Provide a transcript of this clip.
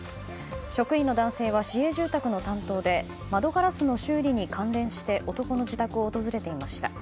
職員の男性は市営住宅の担当で窓ガラスの修理に関連して男の自宅を訪れていました。